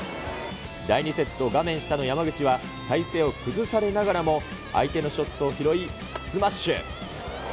第２セット、画面下の山口は、体勢を崩されながらも、相手のショットを拾い、スマッシュ。